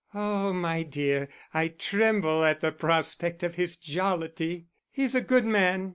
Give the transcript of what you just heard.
"Oh, my dear, I tremble at the prospect of his jollity. He's a good man.